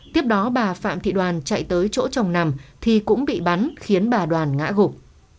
tiếp đó bà phạm thị đoàn chạy tới chỗ trồng nằm thì cũng bị bắn khiến bà đoàn ngã gục